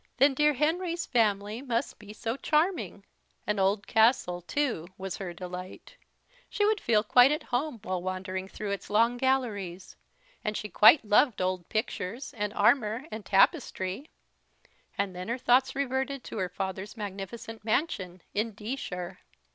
Then dear Henry's family must be so charming: an old castle, too, was her delight; she would feel quite at home while wandering through its long galleries; and she quite loved old pictures, and armour, and tapestry; and then her thoughts reverted to her father's magnificent mansion in D shire.